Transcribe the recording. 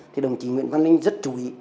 thì đồng chí nguyễn văn linh rất chú ý